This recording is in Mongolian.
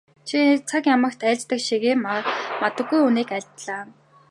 Чи цаг ямагт айлддаг шигээ мадаггүй үнэнийг айлдлаа.